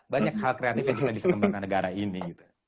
banyak hal kreatif yang bisa kita kembangkan negara ini